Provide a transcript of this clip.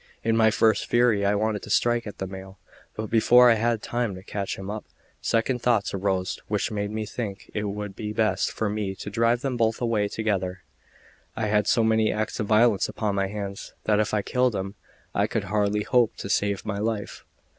In my first fury I wanted to strike at the male; but before I had the time to catch him up, second thoughts arose which made me think it would be best for me to drive them both away together. I had so many acts of violence upon my hands, that if I killed him I could hardly hope to save my life.